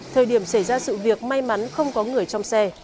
thời điểm xảy ra sự việc may mắn không có người trong xe